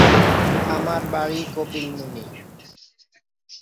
তেভাগা আন্দোলনের অন্যতম প্রধান নেতা হাজি মুহাম্মদ দানেশ এর প্রতিষ্ঠাতা।